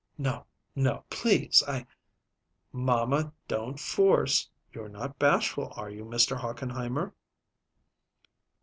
"No, no please! I " "Mamma, don't force. You're not bashful, are you, Mr. Hochenheimer?"